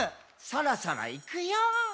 「そろそろいくよー」